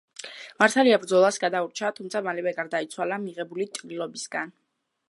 მართალია ბრძოლას გადაურჩა, თუმცა მალევე გარდაიცვალა მიღებული ჭრილობისგან.